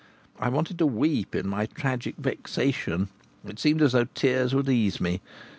I wanted to weep in my tragic vexation. It seemed as though tears would ease me.